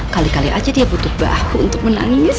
kali kali aja dia butuh bahu untuk menangis